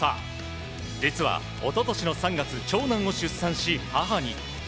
実は一昨年の３月長男を出産し母に。